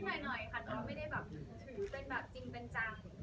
เพราะฉะนั้นก็นิดหน่อยค่ะไม่ได้ถือเป็นจริงเป็นจัง